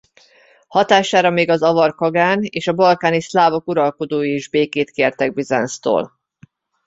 Hatására még az avar kagán és a balkáni szlávok uralkodói is békét kértek Bizánctól.